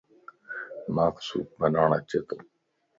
مانک سوپ بناڻَ اچي تو